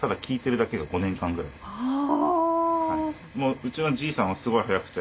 うちのじいさんはすごい速くて。